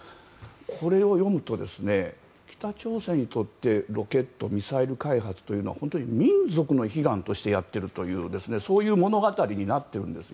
これを読むと、北朝鮮にとってロケットミサイル開発というのは本当に民族の悲願としてやっているという物語になっているんです。